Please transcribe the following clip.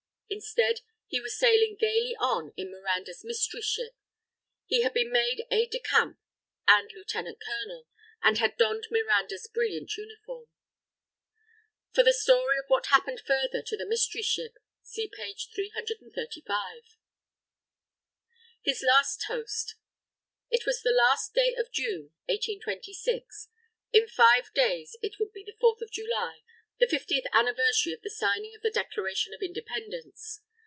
Instead, he was sailing gayly on in Miranda's Mystery Ship. He had been made aid de camp and lieutenant colonel, and had donned Miranda's brilliant uniform. For the story of what happened further to the Mystery Ship, see page 335. HIS LAST TOAST It was the last day of June, 1826. In five days, it would be the Fourth of July the Fiftieth Anniversary of the signing of the Declaration of Independence.